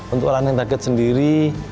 untuk running target sendiri